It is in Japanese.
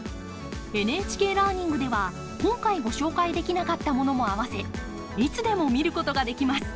ＮＨＫラーニングでは今回ご紹介できなかったものもあわせいつでも見ることができます！